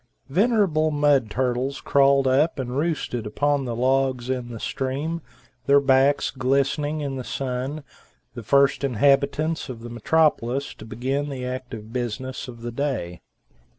Venerable mud turtles crawled up and roosted upon the old logs in the stream, their backs glistening in the sun, the first inhabitants of the metropolis to begin the active business of the day.